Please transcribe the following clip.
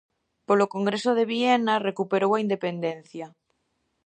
Polo Congreso de Viena recuperou a independencia.